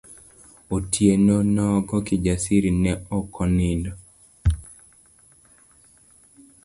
Otieno nogo Kijasiri ne oko nindo.